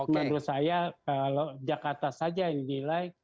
menurut saya kalau jakarta saja yang dinilai